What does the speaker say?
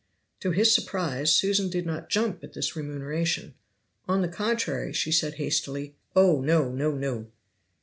To his surprise Susan did not jump at this remuneration. On the contrary, she said hastily: "Oh! no! no! no!"